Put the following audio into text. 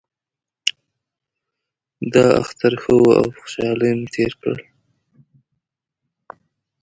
دا اختر ښه و او په خوشحالۍ مو تیر کړ